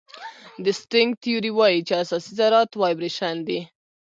د سټرینګ تیوري وایي چې اساسي ذرات وایبریشن دي.